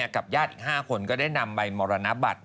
กับญาติอีก๕คนก็ได้นำใบมรณบัตร